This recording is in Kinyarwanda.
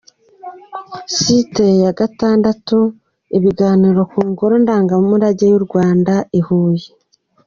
Site ya gatandatu: Igitaramo ku ngoro ndangamurage y’u Rwanda i Huye.